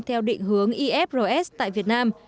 theo định hướng ifrs tại việt nam